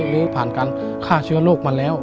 หรือผ่านการฆ่าเชื้อโรคมาแล้ว